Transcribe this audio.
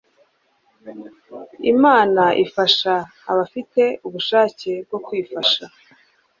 imana ifasha abafite ubushake bwo kwifasha